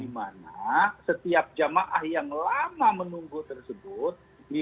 di mana setiap jemaah yang lama menunggu tersebut